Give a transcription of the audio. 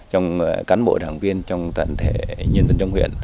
trong cán bộ đảng viên trong toàn thể nhân dân trong huyện